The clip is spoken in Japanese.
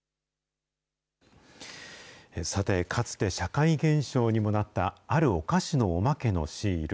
さて、かつて社会現象にもなった、あるお菓子のおまけのシール。